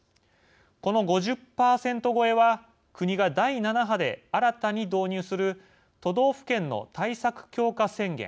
この５０％超えは国が第７波で新たに導入する都道府県の対策強化宣言